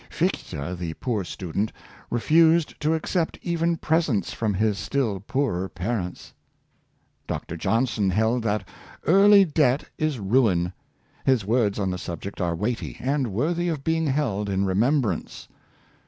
Fichte, the poor student, refused to accept even presents from his still poorer parents. • Dr. Johnson held that early debt is ruin. His words on the subject are weighty, and worthy of being held in remembrance.